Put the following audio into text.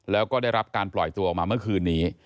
แล้วก็ได้รับการปล่อยตัวออกมาเมื่อคืนนี้